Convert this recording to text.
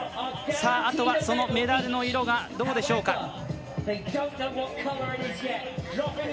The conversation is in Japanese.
さあ、あとはそのメダルの色はどうでしょうか。